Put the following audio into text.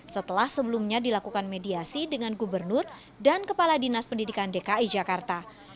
setelah sebelumnya dilakukan mediasi dengan gubernur dan kepala dinas pendidikan dki jakarta